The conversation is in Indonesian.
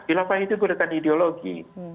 kilafat itu gunakan ideologi